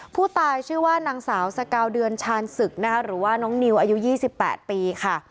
ผู้ตายชื่อว่านางสาวสกาวเดือนชาญศึกนะคะหรือว่าน้องนิวอายุ๒๘ปีค่ะ